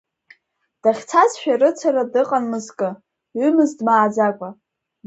Дахьцаз шәарыцара дыҟан мызкы, ҩымыз дмааӡакәа.